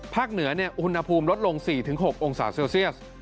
เหนืออุณหภูมิลดลง๔๖องศาเซลเซียส